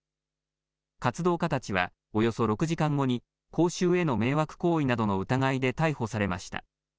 活動家たちはおよそ６時間後に公衆への迷惑行為などの疑いで逮捕されました。